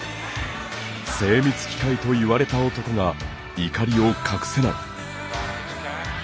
精密機械をいわれた男が怒りを隠せない。